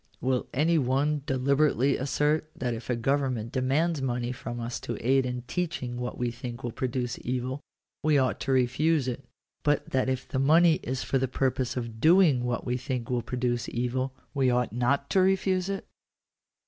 Will any one deliberately assert that if a government demands money from us to aid in teaching what we think will produce evil, we ought to refuse it ; but that if the money is for the purpose of doing what we think will produce evil, we ought not to refuse it